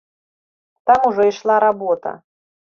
Там ужо ішла работа.